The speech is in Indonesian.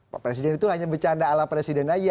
pak presiden itu hanya bercanda ala presiden saja